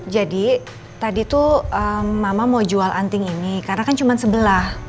jadi tadi tuh mama mau jual anting ini karena kan cuma sebelah